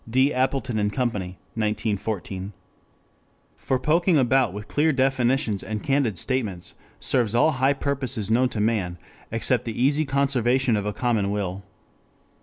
D. Appleton & Company, 1914.] For poking about with clear definitions and candid statements serves all high purposes known to man, except the easy conservation of a common will.